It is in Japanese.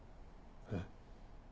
えっ？